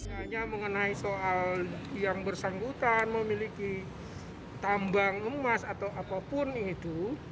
misalnya mengenai soal yang bersangkutan memiliki tambang emas atau apapun itu